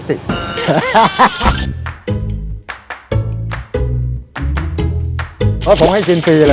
เพราะผมให้กินฟรีเลย